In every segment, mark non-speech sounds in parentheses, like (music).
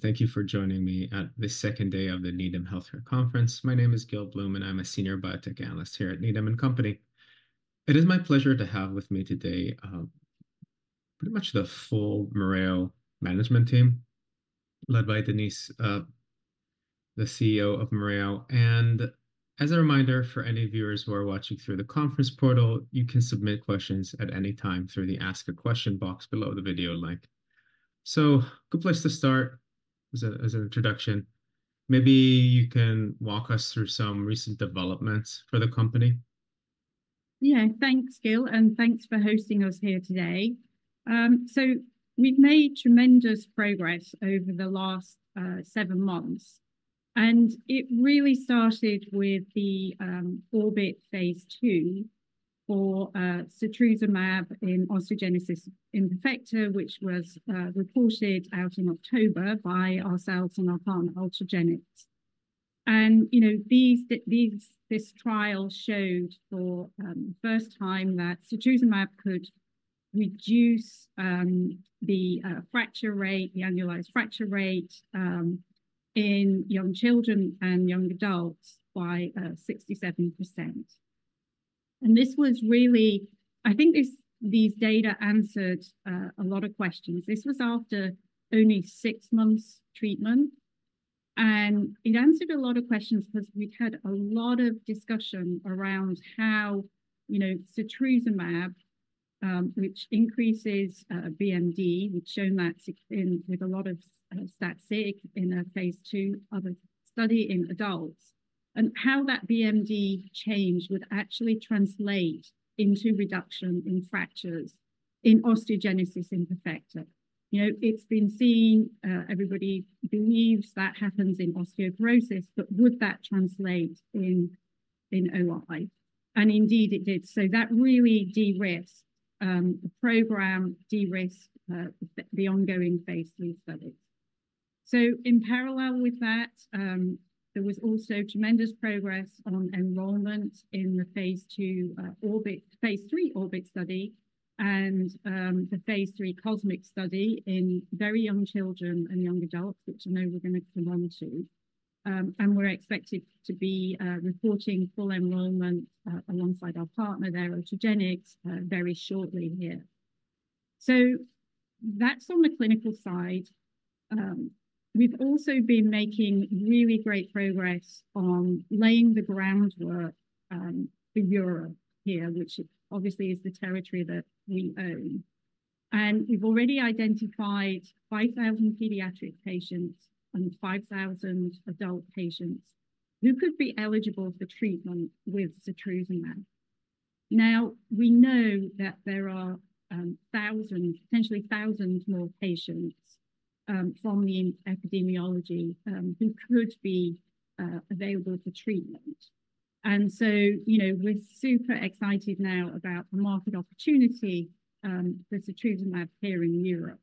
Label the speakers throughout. Speaker 1: Thank you for joining me at the second day of the Needham Healthcare Conference. My name is Gil Blum, and I'm a Senior Biotech Analyst here at Needham & Company. It is my pleasure to have with me today, pretty much the full Mereo management team, led by Denise, the CEO of Mereo. As a reminder, for any viewers who are watching through the conference portal, you can submit questions at any time through the ask a question box below the video link. A good place to start, as an introduction, maybe you can walk us through some recent developments for the company.
Speaker 2: Yeah. Thanks, Gil, and thanks for hosting us here today. We've made tremendous progress over the last seven months, and it really started with the ORBIT phase II for setrusumab in osteogenesis imperfecta, which was reported out in October by ourselves and our partner, Ultragenyx. You know, this trial showed for first time that setrusumab could reduce the annualized fracture rate in young children and young adults by 67%. I think this data answered a lot of questions. This was after only six months treatment, and it answered a lot of questions because we'd had a lot of discussion around, you know, setrusumab, which increases BMD, we've shown that with a lot of stat sig in a phase II of a study in adults, and how that BMD change would actually translate into reduction in fractures in osteogenesis imperfecta. You know, it's been seen, everybody believes that happens in osteoporosis, but would that translate in OI? Indeed, it did. That really de-risked the program, de-risked the ongoing phase III studies. In parallel with that, there was also tremendous progress on enrollment in the phase III ORBIT study, and the phase III COSMIC study in very young children and young adults, which I know we're going to come on to. We're expected to be reporting full enrollment alongside our partner there, Ultragenyx, very shortly here. That's on the clinical side. We've also been making really great progress on laying the groundwork in Europe here, which obviously is the territory that we own. We've already identified 5,000 pediatric patients, and 5,000 adult patients who could be eligible for treatment with setrusumab. Now, we know that there are potentially 1,000 more patients from the epidemiology, who could be available for treatment. You know, we're super excited now about the market opportunity with setrusumab here in Europe,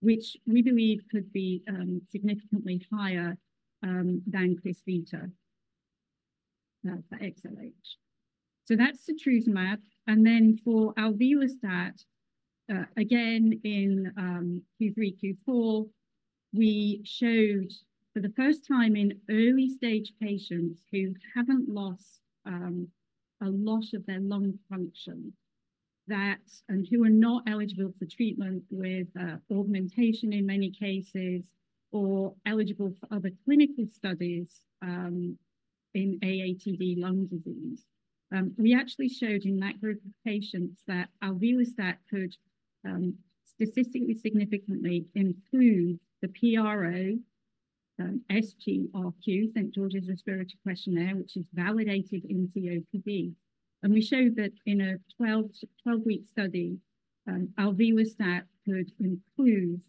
Speaker 2: which we believe could be significantly higher than Crysvita for XLH, so that's setrusumab. Then for alvelestat, again, in Q3, Q4, we showed for the first time in early-stage patients who haven't lost a lot of their lung function that, and who are not eligible for treatment with augmentation in many cases or eligible for other clinical studies, in AATD lung disease, we actually showed in that group of patients that alvelestat could statistically significantly improve the PRO, SGRQ, St. George's Respiratory Questionnaire, which is validated in COPD. We showed that in a 12-week study, alvelestat could improve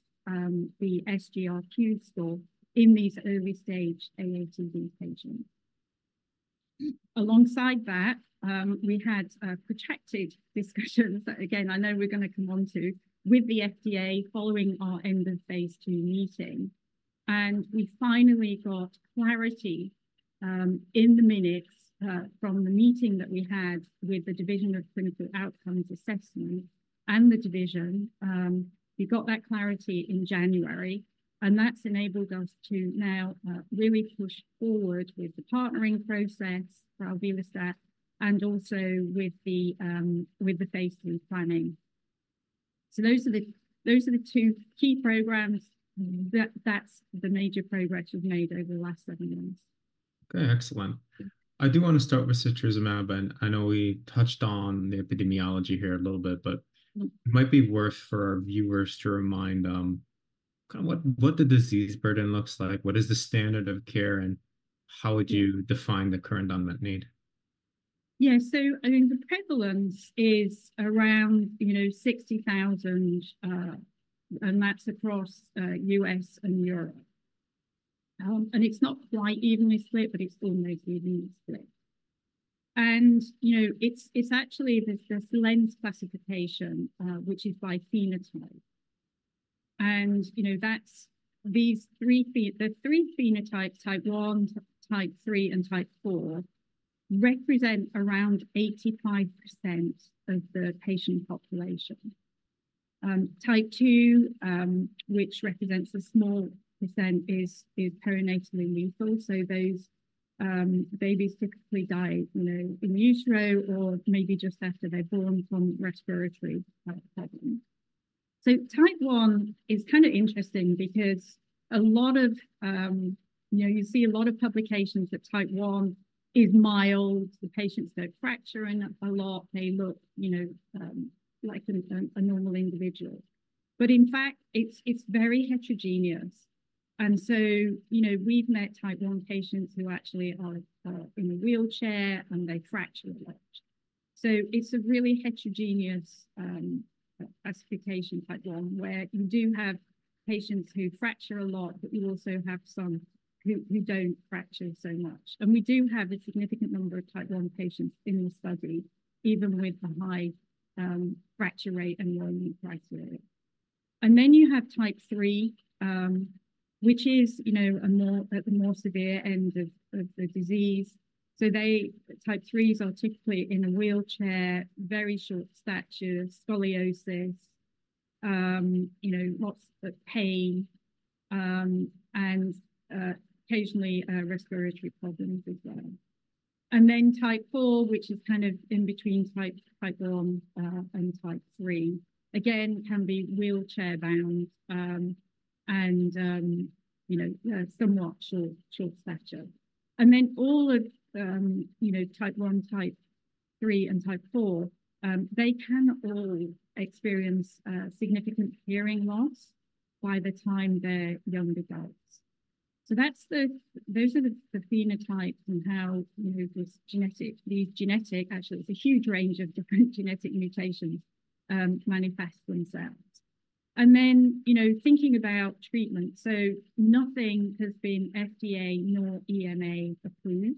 Speaker 2: the SGRQ score in these early-stage AATD patients. Alongside that, we had protracted discussions that again, I know we're going to come on to, with the FDA following our end of phase II meeting. We finally got clarity in the minutes from the meeting that we had with the Division of Clinical Outcomes Assessment and the division. We got that clarity in January, and that's enabled us to now really push forward with the partnering process for alvelestat and also with the phase III planning. Those are the two key programs. That's the major progress we've made over the last seven months.
Speaker 1: Okay, excellent. I do want to start with setrusumab. I know we touched on the epidemiology here a little bit, but it might be worth for our viewers to remind them kind of what the disease burden looks like, what is the standard of care and how would you define the current unmet need?
Speaker 2: Yeah. I mean, the prevalence is around, you know, 60,000, and that's across U.S. and Europe. It's not quite evenly split, but it's almost evenly split. You know, there's this Sillence classification, which is by phenotype. You know, that's the three phenotypes, type one, type three, and type four represent around 85% of the patient population. Type 2, which represents a small percent is perinatally lethal. Those babies typically die, you know, in utero or maybe just after they're born, from respiratory problems. Type I is kind of interesting because you know, you see a lot of publications that type one is mild. The patients don't fracture a lot, they look, you know, like a normal individual. In fact, it's very heterogeneous. You know, we've met type one patients who actually are in a wheelchair, and they fracture a lot. It's a really heterogeneous classification, type one, where you do have patients who fracture a lot, but you also have some who don't fracture so much. We do have a significant number of type one patients in the study, even with a high fracture rate and. (audio distortion) Then you have type three, which is, you know, a more severe end of the disease. Type IIIs are typically in a wheelchair, very short stature, scoliosis, you know, lots of pain, and occasionally respiratory problems as well. Then type IV, which is kind of in between type one and type three again, can be wheelchair-bound and you know, somewhat short stature. Then all of, you know, type one, type three, and type four, they can all experience significant hearing loss by the time they're young adults. Those are the phenotypes and how, you know, actually the huge range of genetic mutations manifest themselves. Then, you know, thinking about treatment, so nothing has been FDA nor EMA-approved,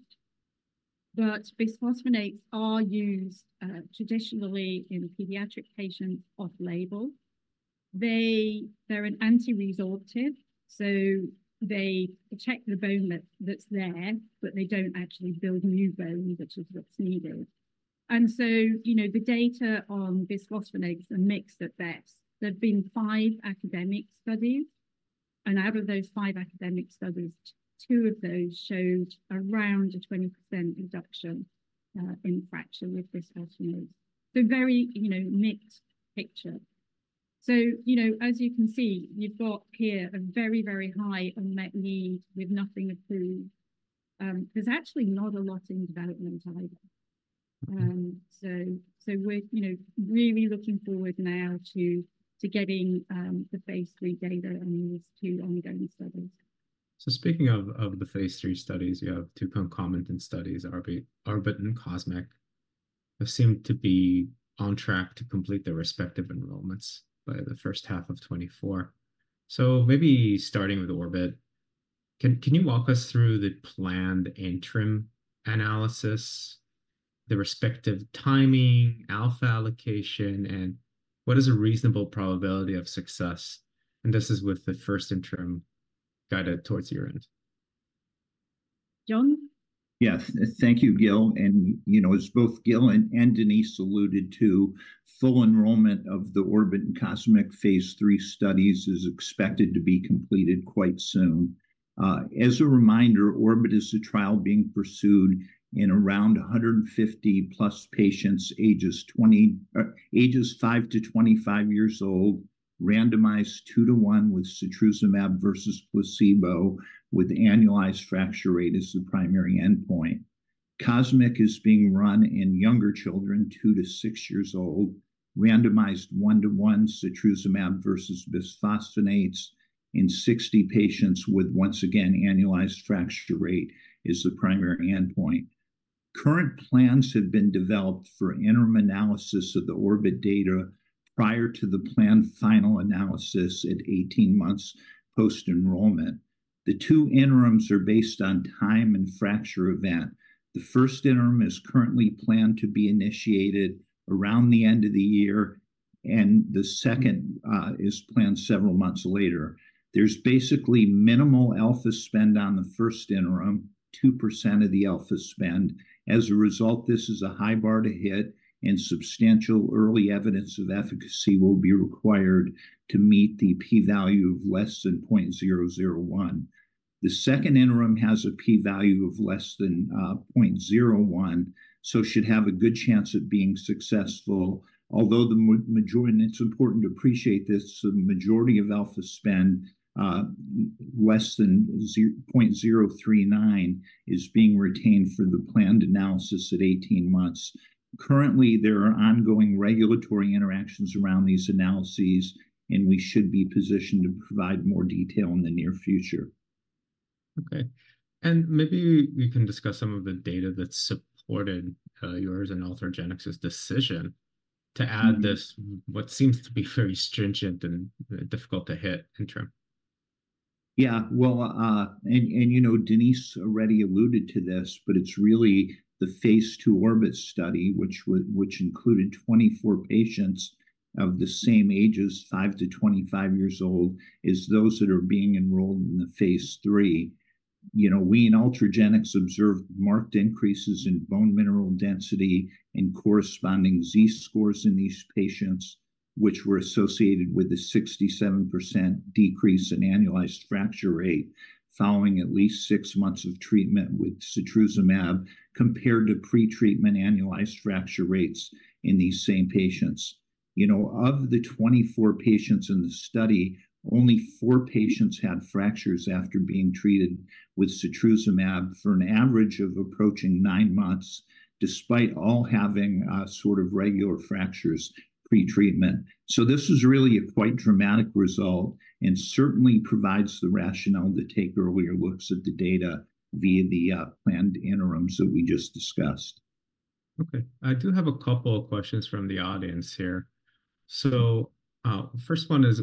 Speaker 2: but bisphosphonates are used traditionally in pediatric patients off-label. They're an anti-resorptive, so they protect the bone that's there, but they don't actually build new bone, which is what's needed. You know, the data on bisphosphonates are mixed at best. There have been five academic studies, and out of those five academic studies, two of those showed around a 20% reduction in fracture with bisphosphonates, so very, you know, mixed picture. You know, as you can see, you've got here a very, very high unmet need with nothing approved. There's actually not a lot in development either. We're, you know, really looking forward now to getting the phase III data on these two ongoing studies.
Speaker 1: Speaking of the phase III studies, you have two concomitant studies, ORBIT and COSMIC, have seemed to be on track to complete their respective enrollments by the first half of 2024. Maybe starting with ORBIT, can you walk us through the planned interim analysis, the respective timing, alpha allocation, and what is a reasonable probability of success? This is with the first interim guided towards your end.
Speaker 2: John?
Speaker 3: Yes. Thank you, Gil. You know, as both Gil and Denise alluded to, full enrollment of the ORBIT and COSMIC phase III studies is expected to be completed quite soon. As a reminder, ORBIT is a trial being pursued in around 150+ patients, ages five to 25 years old, randomized two to one with setrusumab versus placebo, with annualized fracture rate as the primary endpoint. COSMIC is being run in younger children, two to six years old, randomized one to one setrusumab versus bisphosphonates in 60 patients with once again, annualized fracture rate as the primary endpoint. Current plans have been developed for interim analysis of the ORBIT data, prior to the planned final analysis at 18 months post-enrollment. The two interims are based on time and fracture event. The first interim is currently planned to be initiated around the end of the year, and the second is planned several months later. There's basically minimal alpha spend on the first interim, 2% of the alpha spend. As a result, this is a high bar to hit, and substantial early evidence of efficacy will be required to meet the p-value of less than 0.001. The second interim has a p-value of less than 0.01, so should have a good chance at being successful. It's important to appreciate this, the majority of alpha spend, less than 0.039 is being retained for the planned analysis at 18 months. Currently, there are ongoing regulatory interactions around these analyses, and we should be positioned to provide more detail in the near future.
Speaker 1: Okay. Maybe we can discuss some of the data that supported yours and Ultragenyx's decision to add this, what seems to be very stringent and difficult to hit interim.
Speaker 3: Yeah. Well, you know, Denise already alluded to this, but it's really the phase II ORBIT study, which included 24 patients of the same ages, five to 25 years old, as those that are being enrolled in the phase III. You know, we in Ultragenyx observed marked increases in bone mineral density, and corresponding Z-scores in these patients, which were associated with a 67% decrease in annualized fracture rate following at least six months of treatment with setrusumab, compared to pretreatment annualized fracture rates in these same patients. You know, of the 24 patients in the study, only four patients had fractures after being treated with setrusumab for an average of approaching nine months, despite all having sort of regular fractures pretreatment. This is really a quite dramatic result, and certainly provides the rationale to take earlier looks at the data via the planned interims that we just discussed.
Speaker 1: Okay. I do have a couple of questions from the audience here. First one is,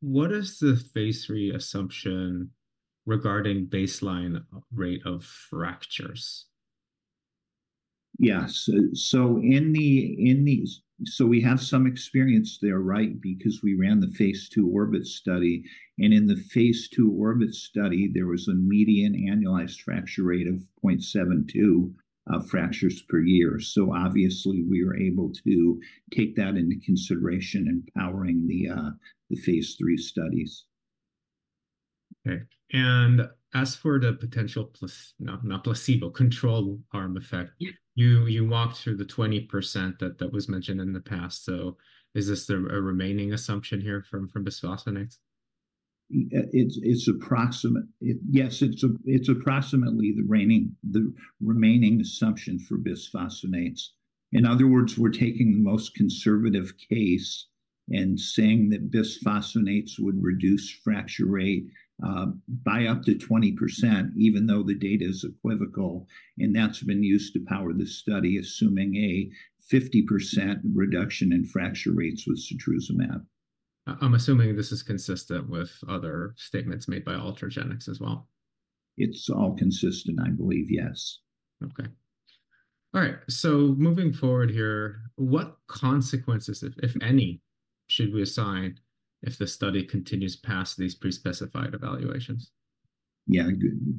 Speaker 1: what is the phase III assumption regarding baseline rate of fractures?
Speaker 3: Yes. In these, we have some experience there, right? Because we ran the phase II ORBIT study, and in the phase II ORBIT study there was a median annualized fracture rate of 0.72 fractures per year. Obviously, we were able to take that into consideration in powering the phase III studies.
Speaker 1: Okay, and as for the potential control arm effect, you walked through the 20% that was mentioned in the past, so is this a remaining assumption here from bisphosphonates?
Speaker 3: Yes, it's approximately the remaining assumption for bisphosphonates. In other words, we're taking the most conservative case and saying that bisphosphonates would reduce fracture rate by up to 20%, even though the data is equivocal and that's been used to power this study, assuming a 50% reduction in fracture rates with setrusumab.
Speaker 1: I'm assuming this is consistent with other statements made by Ultragenyx as well.
Speaker 3: It's all consistent, I believe, yes.
Speaker 1: Okay. All right, so moving forward here, what consequences, if any, should we assign if the study continues past these pre-specified evaluations?
Speaker 3: Yeah,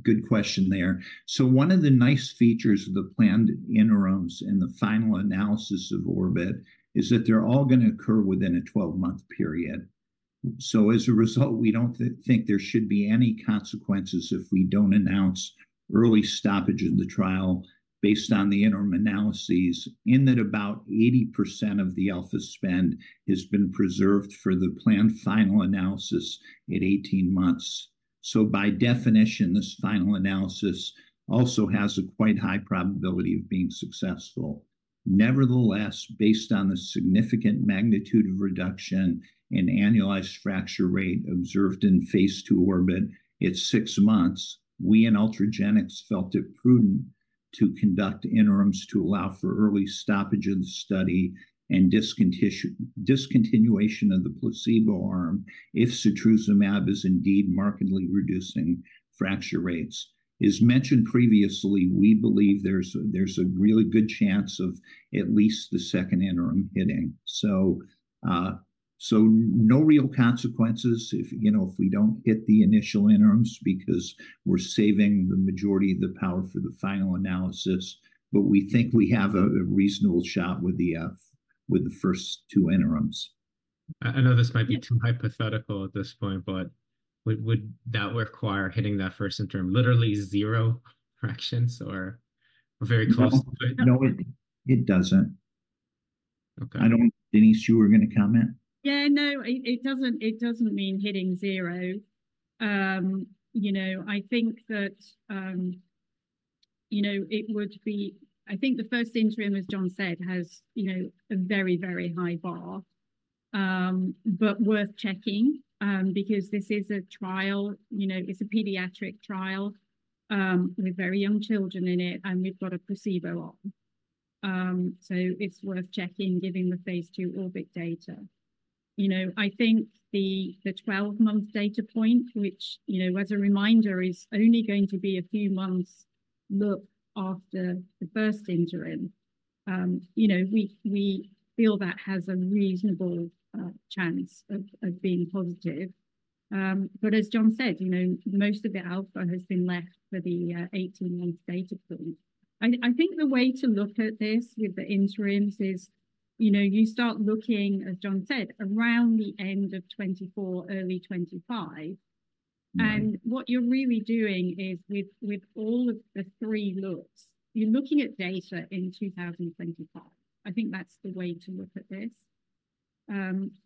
Speaker 3: good question there. One of the nice features of the planned interims and the final analysis of ORBIT, is that they're all going to occur within a 12-month period. As a result, we don't think there should be any consequences if we don't announce early stoppage of the trial based on the interim analyses, and that about 80% of the alpha spend has been preserved for the planned final analysis at 18 months. By definition, this final analysis also has a quite high probability of being successful. Nevertheless, based on the significant magnitude of reduction in annualized fracture rate observed in phase II ORBIT at six months, we in Ultragenyx felt it prudent to conduct interims to allow for early stoppage of the study and discontinuation of the placebo arm, if setrusumab is indeed markedly reducing fracture rates. As mentioned previously, we believe there's a really good chance of at least the second interim hitting. No real consequences, you know, if we don't hit the initial interims because we're saving the majority of the power for the final analysis, but we think we have a reasonable shot with the first two interims.
Speaker 1: I know this might be too hypothetical at this point, but would that require hitting that first interim, literally zero fractures or very close to it?
Speaker 3: No, it doesn't.
Speaker 1: Okay.
Speaker 3: Denise, you were going to comment?
Speaker 2: Yeah. No, it doesn't mean hitting zero. You know, I think the first interim, as John said, has, you know, a very, very high bar. Worth checking, because this is a trial, you know, it's a pediatric trial with very young children in it and we've got a placebo arm. It's worth checking, given the phase II ORBIT data. You know, I think the 12-month data point, which, you know, as a reminder, is only going to be a few months after the first interim, you know, we feel that has a reasonable chance of being positive. As John said, you know, most of the alpha has been left for the 18-month data point. I think the way to look at this with the interims is, you know, you start looking, as John said, around the end of 2024, early 2025.
Speaker 3: Yeah.
Speaker 2: What you're really doing is, with all of the three looks, you're looking at data in 2025. I think that's the way to look at this.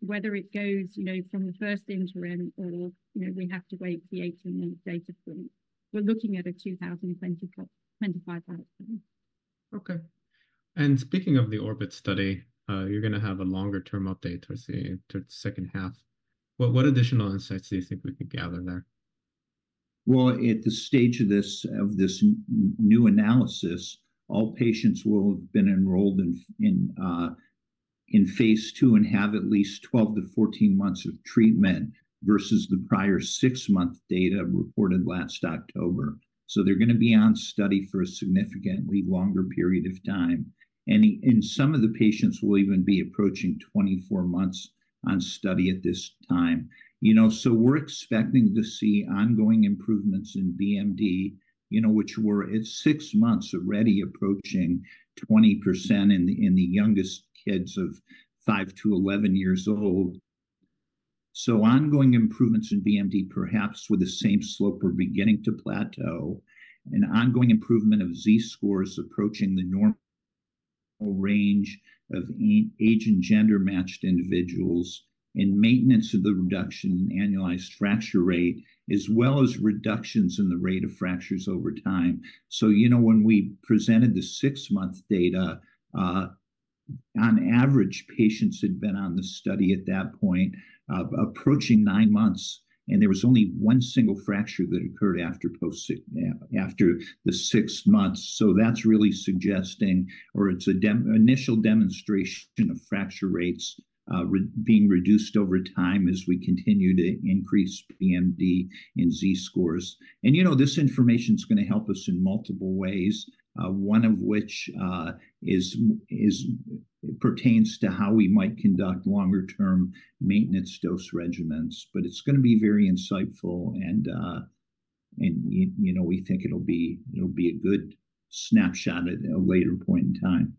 Speaker 2: Whether it goes, you know, from the first interim or you know, we have to wait for the 18-month data point, we're looking at a 2025 outcome.
Speaker 1: Okay. Speaking of the ORBIT study, you're going to have a longer-term update towards the second half. What additional insights do you think we could gather there?
Speaker 3: Well, at the stage of this new analysis, all patients will have been enrolled in phase II and have at least 12-14 months of treatment versus the prior six-month data reported last October, so they're going to be on study for a significantly longer period of time. Some of the patients will even be approaching 24 months on study at this time. You know, so we're expecting to see ongoing improvements in BMD, you know, which were at six months already approaching 20% in the youngest kids of five to 11 years old. Ongoing improvements in BMD, perhaps with the same slope are beginning to plateau, and ongoing improvement of Z-scores approaching the normal range of age and gender-matched individuals, and maintenance of the reduction in annualized fracture rate, as well as reductions in the rate of fractures over time. You know, when we presented the six-month data, on average, patients had been on the study at that point of approaching nine months. There was only one single fracture that occurred after the six months, so that's really suggesting, or it's an initial demonstration of fracture rates being reduced over time as we continue to increase BMD and Z-scores. You know, this information's going to help us in multiple ways, one of which is, it pertains to how we might conduct longer-term maintenance dose regimens. It's going to a be very insightful, and you know, we think it'll be a good snapshot at a later point in time.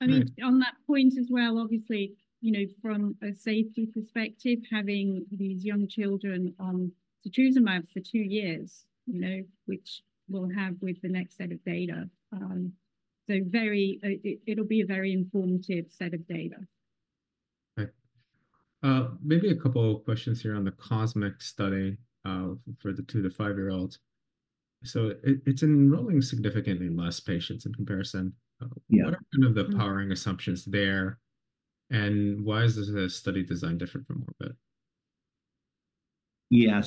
Speaker 2: I mean, on that point as well obviously, you know, from a safety perspective, having these young children on setrusumab for two years, you know, which we'll have with the next set of data, it'll be a very informative set of data.
Speaker 1: Right. Maybe a couple of questions here on the COSMIC study for the two to five-year-olds, so it's enrolling significantly less patients in comparison.
Speaker 3: Yeah.
Speaker 1: What are some of the powering assumptions there, and why is the study design different from ORBIT?
Speaker 3: Yeah,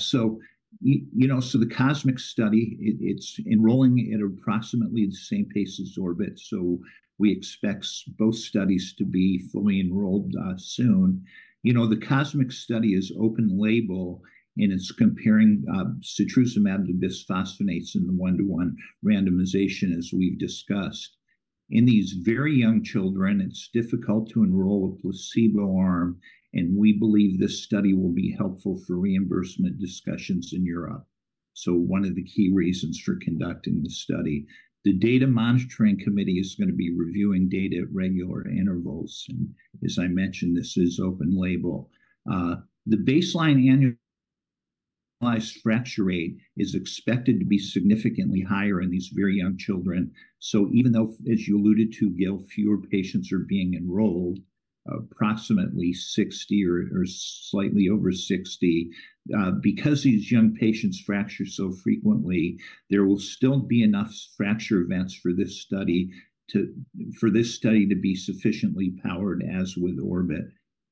Speaker 3: you know, so the COSMIC study, it's enrolling at approximately the same pace as ORBIT, so we expect both studies to be fully enrolled soon. You know, the COSMIC study is open-label, and it's comparing setrusumab to bisphosphonates in the one to one randomization, as we've discussed. In these very young children, it's difficult to enroll a placebo arm and we believe this study will be helpful for reimbursement discussions in Europe, sone of the key reasons for conducting the study. The data monitoring committee is going to be reviewing data at regular intervals, and as I mentioned, this is open label. The baseline annualized fracture rate is expected to be significantly higher in these very young children. Even though, as you alluded to, Gil, fewer patients are being enrolled, approximately 60 or slightly over 60, because these young patients fracture so frequently, there will still be enough fracture events for this study to be sufficiently powered, as with ORBIT.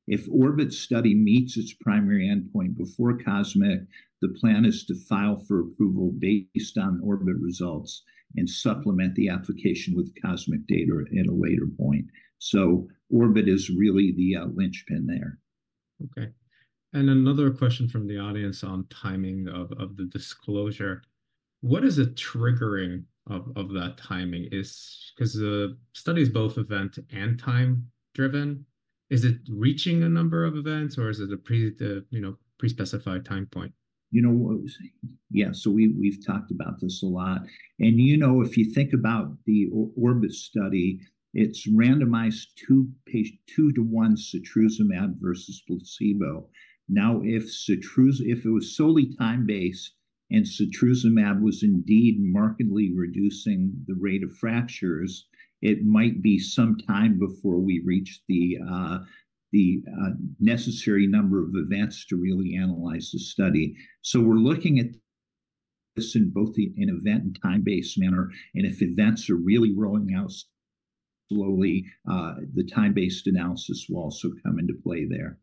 Speaker 3: If ORBIT study meets its primary endpoint before COSMIC, the plan is to file for approval based on ORBIT results and supplement the application with COSMIC data at a later point. ORBIT is really the linchpin there.
Speaker 1: Okay. Another question from the audience on timing of the disclosure. What is the triggering of that timing? Is it because the study is both event- and time-driven? Is it reaching a number of events, or is it a you know, pre-specified time point?
Speaker 3: You know what? Yeah, so we've talked about this a lot. You know, if you think about the ORBIT study, it's randomized 2/1 setrusumab versus placebo. Now, if it was solely time-based and setrusumab was indeed markedly reducing the rate of fractures, it might be some time before we reach the necessary number of events to really analyze the study. We're looking at this in both an event- and time-based manner, and if events are really rolling out slowly, the time-based analysis will also come into play there.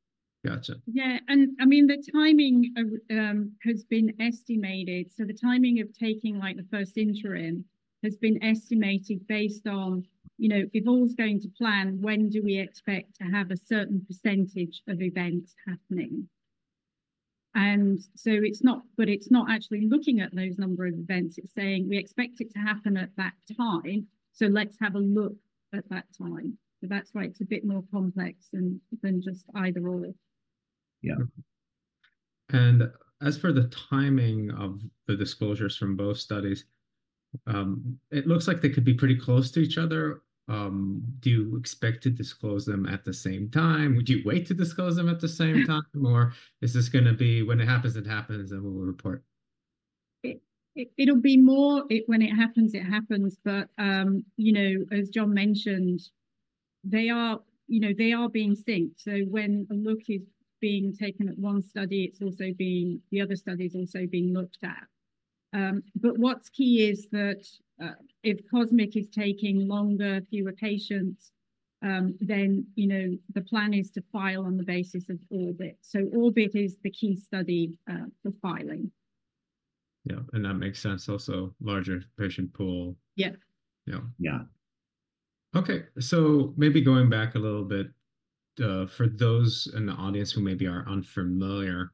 Speaker 1: Got you.
Speaker 2: Yeah. I mean, the timing of has been estimated. The timing of taking, the first interim has been estimated based on, you know, if all's going to plan, when do we expect to have a certain percentage of events happening? Actually, looking at those number of events, It's saying, "We expect it to happen at that time, so let's have a look at that time." That's why it's a bit more complex than just either/or.
Speaker 3: Yeah.
Speaker 1: As for the timing of the disclosures from both studies, it looks like they could be pretty close to each other. Do you expect to disclose them at the same time? Would you wait to disclose them at the same time or is this going to be, when it happens, it happens and we'll report?
Speaker 2: It'll be more, when it happens, it happens. You know, as John mentioned, you know, they are being synced. When a look is being taken at one study, the other study is also being looked at. What's key is that, if COSMIC is taking longer, fewer patients, then, you know, the plan is to file on the basis of ORBIT. ORBIT is the key study for filing.
Speaker 1: Yeah, that makes sense also, larger patient pool.
Speaker 2: Yeah.
Speaker 1: Yeah.
Speaker 3: Yeah.
Speaker 1: Okay, so maybe going back a little bit, for those in the audience who maybe are unfamiliar,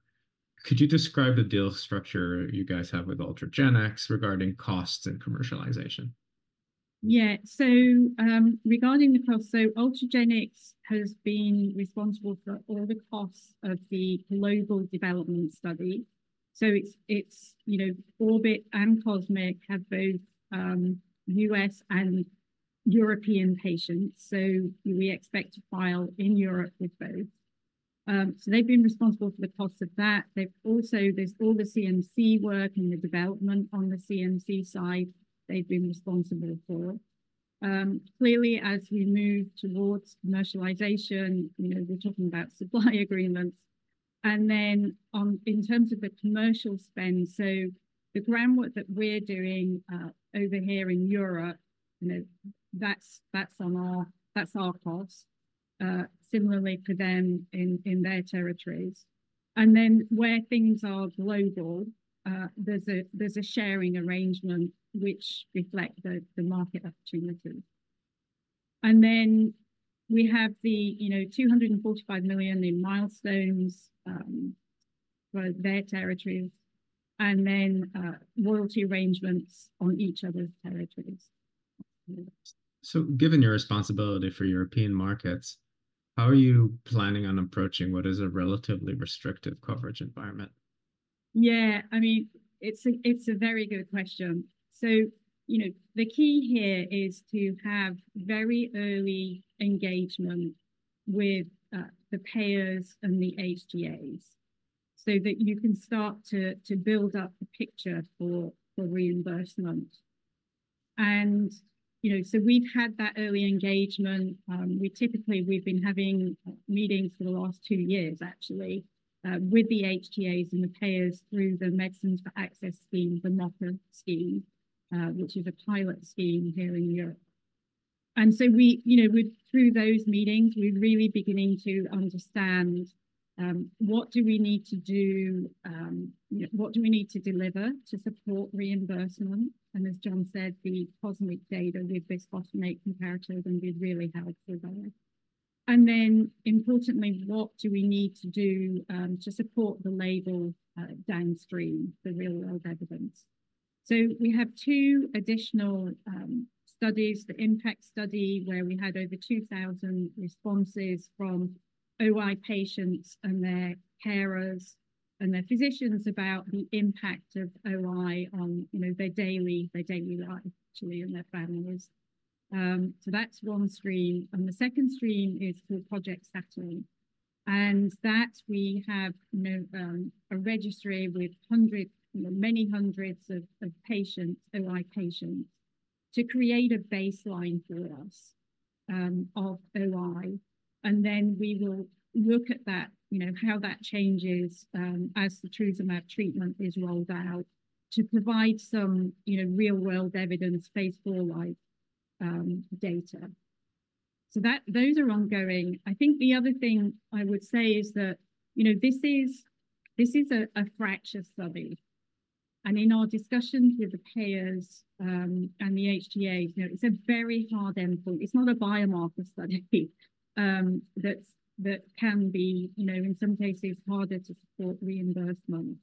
Speaker 1: could you describe the deal structure you guys have with Ultragenyx regarding costs and commercialization?
Speaker 2: Yeah. Regarding the cost, so Ultragenyx has been responsible for all the costs of the global development study. You know, ORBIT and COSMIC have both U.S. and European patients, so we expect to file in Europe with both. They've been responsible for the costs of that. There's all the CMC work, and the development on the CMC side they've been responsible for. Clearly, as we move towards commercialization, you know, we're talking about supply agreements. Then, in terms of the commercial spend, so the groundwork that we're doing over here in Europe, you know, that's our cost, similarly for them in their territories. Then where things are global, there's a sharing arrangement which reflect the market opportunity. Then we have the, you know, $245 million in milestones for their territories, and then royalty arrangements on each other's territories, yeah.
Speaker 1: Given your responsibility for European markets, how are you planning on approaching what is a relatively restrictive coverage environment?
Speaker 2: Yeah. I mean, it's a very good question. You know, the key here is to have very early engagement with the payers and the HTAs, so that you can start to build up the picture for reimbursement. You know, so we've had that early engagement. Typically, we've been having meetings for the last two years, actually with the HTAs and the payers through the Medicines for Access scheme, the MoFA scheme, which is a pilot scheme here in Europe. You know, through those meetings, we're really beginning to understand, what do we need to do, you know, what do we need to deliver to support reimbursement? As John said, the COSMIC data, bisphosphonate comparator is going to really help there. Importantly, what do we need to do to support the label downstream, the real-world evidence? We have two additional studies, the IMPACT study, where we had over 2,000 responses from OI patients and their carers, and their physicians about the impact of OI on, you know, their daily life actually and their families. That's one stream. The second stream is called Project SATURN, and that we have, you know, a registry with, you know, many hundreds of patients, OI patients to create a baseline for us of OI. Then we will look at that, you know, how that changes as the setrusumab treatment is rolled out, to provide some, you know, real-world evidence, phase IV live data. Those are ongoing. I think the other thing I would say is that, you know, this is a fracture study. In our discussions with the payers and the HTAs, you know, it's a very hard endpoint. It's not a biomarker study that can be, you know, in some cases, harder to support reimbursement.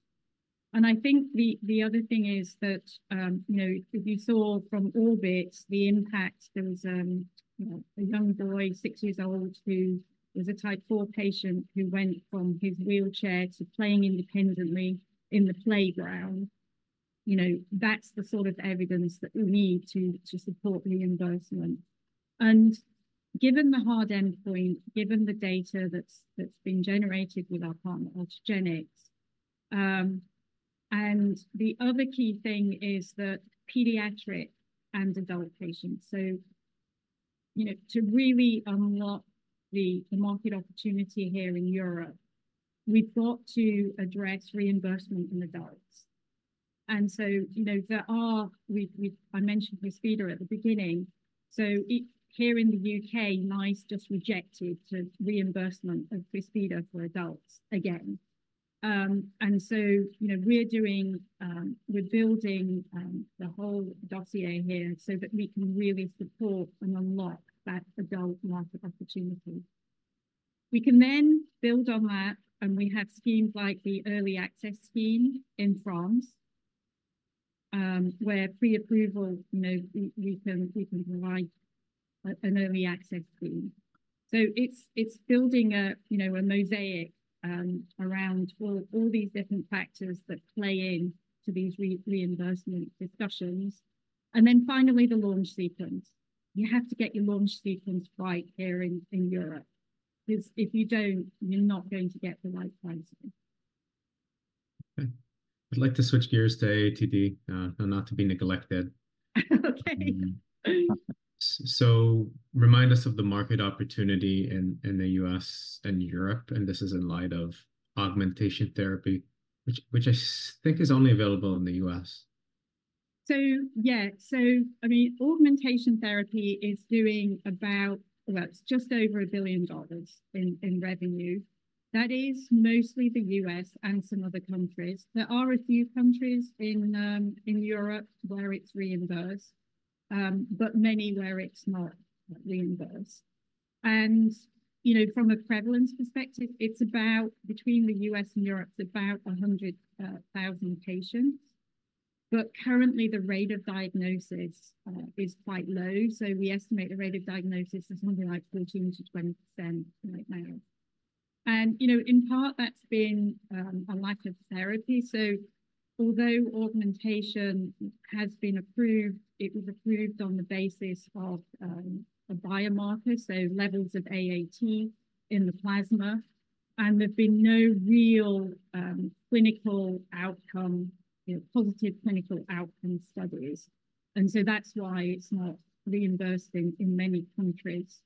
Speaker 2: I think the other thing is that, you know, if you saw from ORBIT the impact, there was, you know, a young boy, six years old, who was a type four patient, who went from his wheelchair to playing independently in the playground. You know, that's the sort of evidence that we need to support reimbursement. Given the hard endpoint, given the data that's been generated with our partner, Ultragenyx, the other key thing is that pediatric and adult patients. You know, to really unlock the market opportunity here in Europe, we've got to address reimbursement in adults. You know, I mentioned Crysvita at the beginning. Here in the U.K., NICE just rejected the reimbursement of Crysvita for adults again. You know, we're building the whole dossier here, so that we can really support and unlock that adult market opportunity. We can then build on that, and we have schemes like the Early Access scheme in France, where pre-approval, you know, we can provide an Early Access scheme. It's building, you know, a mosaic around all these different factors that play into these reimbursement discussions. Then finally, the launch sequence. You have to get your launch sequence right here in Europe, because if you don't, you're not going to get the right pricing.
Speaker 1: Okay. I'd like to switch gears to AATD, not to be neglected.
Speaker 2: Okay.
Speaker 1: Remind us of the market opportunity in the U.S. and Europe, and this is in light of augmentation therapy, which I think is only available in the U.S.
Speaker 2: Yeah. I mean, augmentation therapy is doing about, well, it's just over $1 billion in revenue. That is mostly the U.S. and some other countries. There are a few countries in Europe where it's reimbursed, but many where it's not reimbursed. You know, from a prevalence perspective, between the U.S. and Europe, it's about 100,000 patients. Currently, the rate of diagnosis is quite low, so we estimate the rate of diagnosis as something like 14%-20% right now. You know, in part, that's been a lack of therapy. Although augmentation has been approved, it was approved on the basis of a biomarker, so levels of AAT in the plasma and there've been no real, you know, positive clinical outcome studies. That's why it's not reimbursed in many countries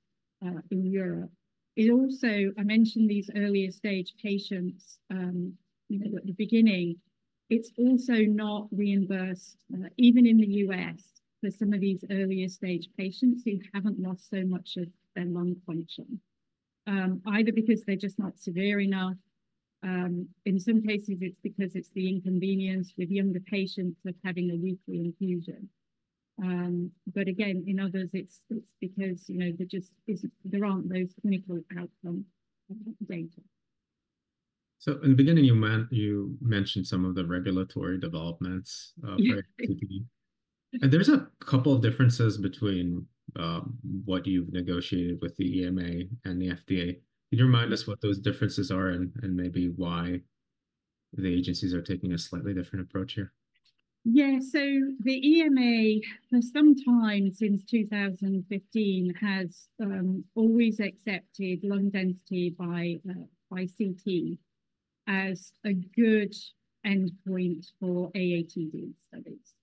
Speaker 2: in Europe. Also, I mentioned these earlier-stage patients, you know, at the beginning. It's also not reimbursed, even in the U.S., for some of these earlier-stage patients who haven't lost so much of their lung function, either because they're just not severe enough. In some cases, it's because it's the inconvenience with younger patients of having a weekly infusion. Again, in others, it's because, you know, there just aren't those clinical outcome data.
Speaker 1: In the beginning, you mentioned some of the regulatory developments, right?
Speaker 2: Yeah.
Speaker 1: There's a couple of differences between what you've negotiated with the EMA and the FDA. Could you remind us what those differences are, and maybe why the agencies are taking a slightly different approach here?
Speaker 2: Yeah. The EMA, for some time since 2015, has always accepted lung density by CT as a good endpoint for AATD studies.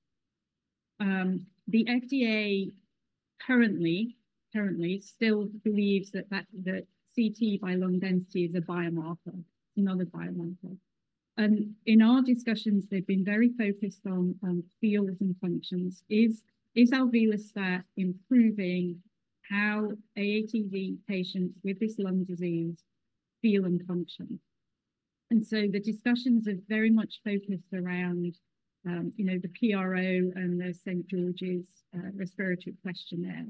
Speaker 2: The FDA currently still believes that CT by lung density is another biomarker. In our discussions, they've been very focused on feels and functions. Is alvelestat improving how AATD patients with this lung disease feel and function? The discussions are very much focused around, you know, the PRO and the St. George's respiratory questionnaire.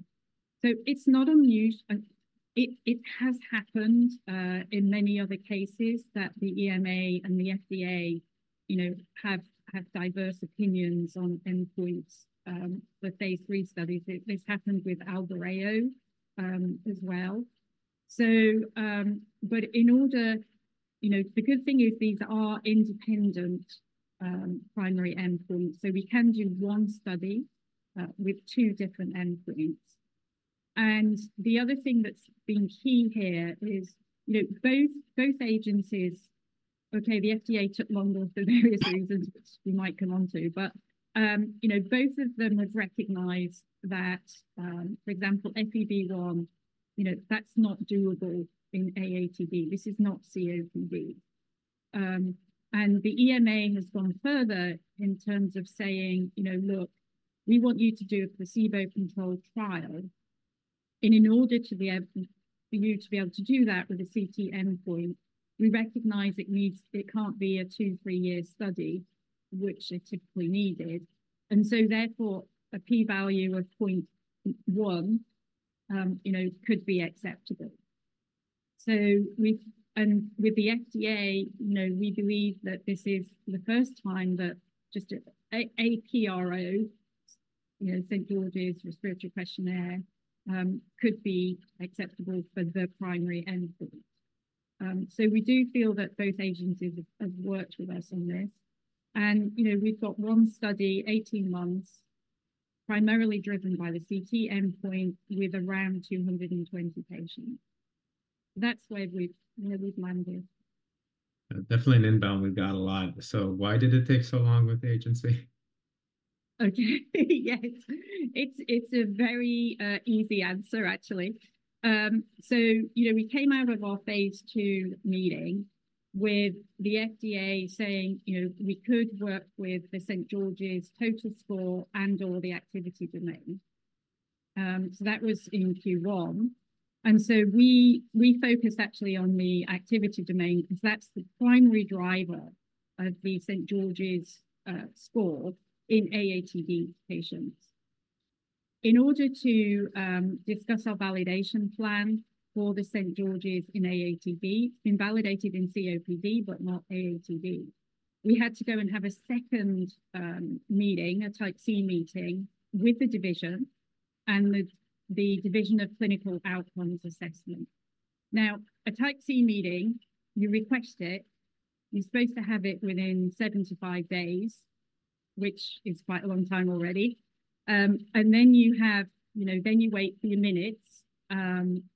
Speaker 2: It's not unusual, it has happened in many other cases that the EMA and the FDA, you know, have diverse opinions on endpoints with phase III studies. This happened with (audio distortion) as well. You know, the good thing is these are independent primary endpoints, so we can do one study with two different endpoints. The other thing that's been key here is, you know, okay, the FDA took longer for various reasons, which we might come on to, but you know, both of them have recognized that, for example, FEV1, you know, that's not doable in AATD. This is not COPD. The EMA has gone further in terms of saying, "You know, look, we want you to do a placebo-controlled trial. For you to be able to do that with a CT endpoint, we recognize it can't be a two to three-year study, which are typically needed. Therefore, a p-value of 0.1, you know, could be acceptable." With the FDA, you know, we believe that this is the first time that just a PRO, you know, St. George's Respiratory Questionnaire, could be acceptable for the primary endpoint. We do feel that both agencies have worked with us on this. You know, we've got one study, 18 months, primarily driven by the CT endpoint with around 220 patients. That's where we've landed.
Speaker 1: Definitely an inbound. We've got a lot. Why did it take so long with the agency?
Speaker 2: Okay. Yeah, it's a very easy answer actually. You know, we came out of our phase II meeting with the FDA saying, you know, we could work with the St. George's total score and/or the activity domain. That was in Q1. We focused actually on the activity domain, because that's the primary driver of the St. George's score in AATD patients. In order to discuss our validation plan for the St. George's in AATD, it's been validated in COPD, but not AATD. We had to go and have a second meeting, a type C meeting with the division and with the Division of Clinical Outcomes Assessment. Now, a type C meeting, you request it, you're supposed to have it within 75 days, which is quite a long time already. You know, then you wait for your minutes,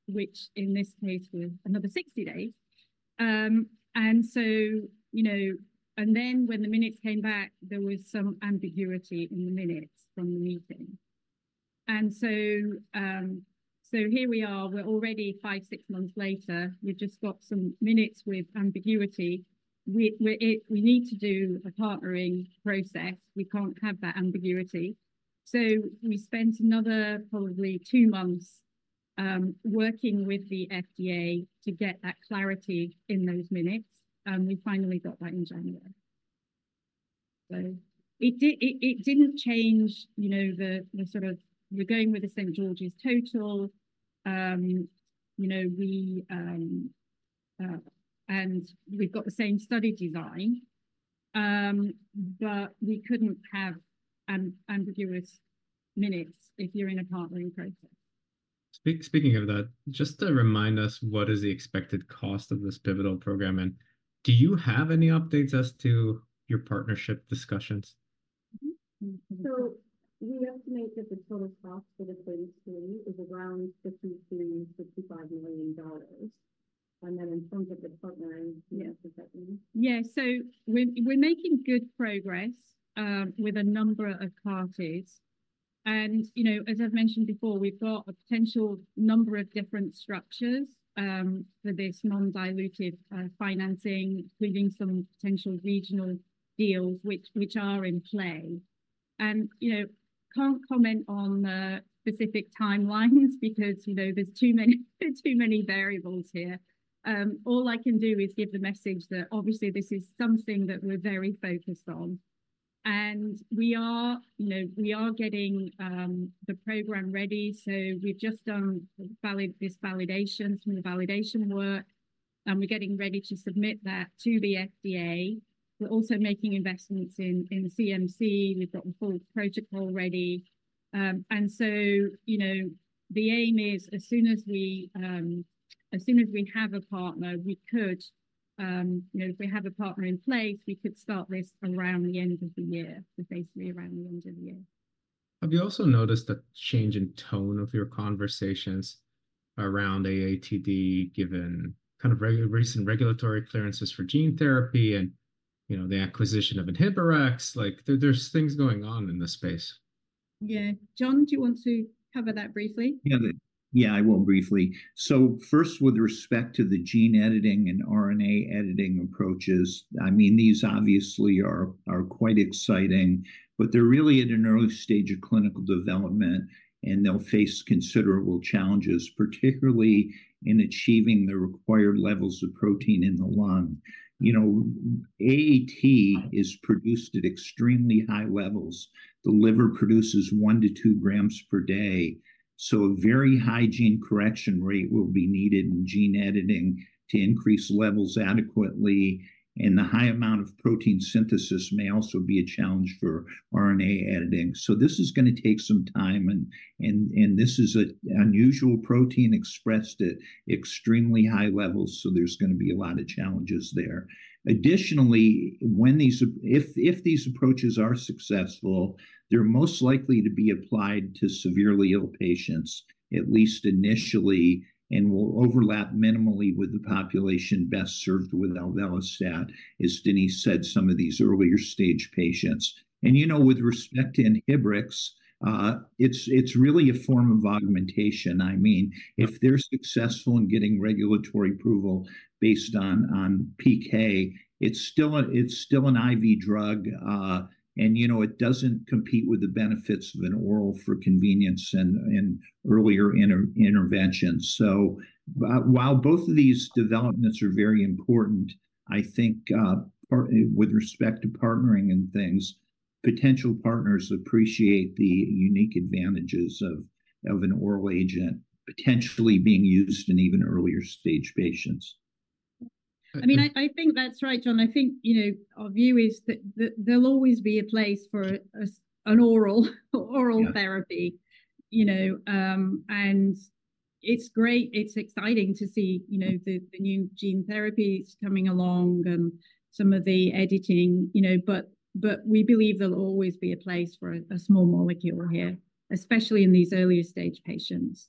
Speaker 2: which in this case was another 60 days. Then when the minutes came back, there was some ambiguity in the minutes from the meeting. Here we are, we're already five, six months later. We've just got some minutes with ambiguity. We need to do a partnering process. We can't have that ambiguity. We spent another probably two months working with the FDA to get that clarity in those minutes, and we finally got that in January. It didn't change, you know. We're going with the St. George's total. You know, and we've got the same study design, but we couldn't have an ambiguous minutes if you're in a partnering process.
Speaker 1: Speaking of that, just to remind us, what is the expected cost of this pivotal program, do you have any updates as to your partnership discussions?
Speaker 4: We estimate that the total cost for the phase III is around $50 million-$65 million. Then in terms of the partnering? (audio distortion)
Speaker 2: Yeah, so we're making good progress with a number of parties. You know, as I've mentioned before, we've got a potential number of different structures for this non-diluted financing, including some potential regional deals, which are in play. You know, can't comment on the specific timelines because you know, there are too many variables here. All I can do is give the message that obviously this is something that we're very focused on, and we are getting the program ready. We've just done this validation, some of the validation work and we're getting ready to submit that to the FDA. We're also making investments in the CMC. We've got the full protocol ready. You know, the aim is, you know, if we have a partner in place, we could start this around the end of the year, so basically around the end of the year.
Speaker 1: Have you also noticed a change in tone of your conversations around AATD, given kind of recent regulatory clearances for gene therapy and you know, the acquisition of Inhibrx? Like there's things going on in this space.
Speaker 2: Yeah. John, do you want to cover that briefly?
Speaker 3: Yeah, I will briefly. First, with respect to the gene editing and RNA editing approaches, I mean, these obviously are quite exciting, but they're really at an early stage of clinical development. They'll face considerable challenges, particularly in achieving the required levels of protein in the lung. You know, AAT is produced at extremely high levels. The liver produces 1-2 g per day, so a very high gene correction rate will be needed in gene editing to increase levels adequately, and the high amount of protein synthesis may also be a challenge for RNA editing. This is going to take some time and this is an unusual protein expressed at extremely high levels, so there's going to be a lot of challenges there. Additionally, if these approaches are successful, they're most likely to be applied to severely ill patients at least initially and will overlap minimally with the population best served with alvelestat, as Denise said, some of these earlier-stage patients. You know, with respect to Inhibrx, it's really a form of augmentation. I mean, if they're successful in getting regulatory approval based on PK, it's still an IV drug. You know, it doesn't compete with the benefits of an oral for convenience and earlier intervention. While both of these developments are very important, I think with respect to partnering and things, potential partners appreciate the unique advantages of an oral agent potentially being used in even earlier-stage patients.
Speaker 2: I mean, I think that's right, John. I think, you know, our view is that there'll always be a place for an oral therapy. You know, and it's great. It's exciting to see, you know, the new gene therapies coming along and some of the editing, you know, but we believe there'll always be a place for a small molecule here, especially in these earlier-stage patients.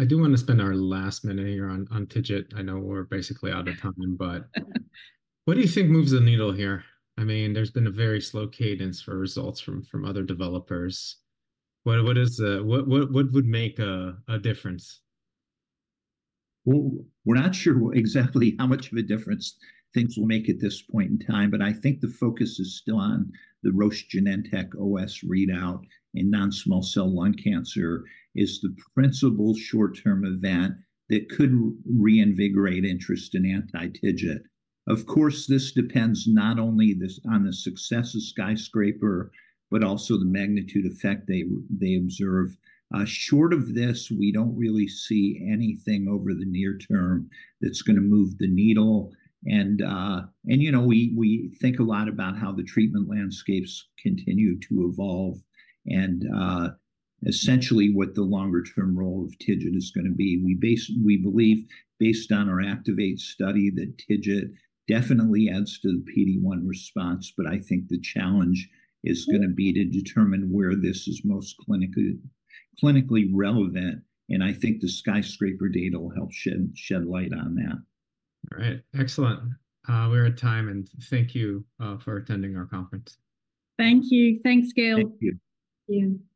Speaker 1: I do want to spend our last minute here on TIGIT. I know we're basically out of time. What do you think moves the needle here? I mean, there's been a very slow cadence for results from other developers. What would make a difference?
Speaker 3: Well, we're not sure exactly how much of a difference things will make at this point in time, but I think the focus is still on the Roche/Genentech OS readout in non-small cell lung cancer, is the principal short-term event that could reinvigorate interest in anti-TIGIT. Of course, this depends not only on the success of SKYSCRAPER, but also, the magnitude effect they observe. Short of this, we don't really see anything over the near term that's going to move the needle. You know, we think a lot about how the treatment landscapes continue to evolve, and essentially, what the longer-term role of TIGIT is going to be. We believe, based on our ACTIVATE study, that TIGIT definitely adds to the PD-1 response, but I think the challenge is going to be to determine where this is most clinically relevant. I think the SKYSCRAPER data will help shed light on that.
Speaker 1: All right, excellent. We're at time, and thank you for attending our conference.
Speaker 2: Thank you. Thanks, Gil.
Speaker 3: Thank you.
Speaker 4: Thank you.